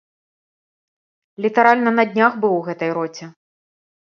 Літаральна на днях быў у гэтай роце.